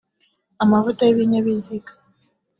amavuta y’ibinyabiziga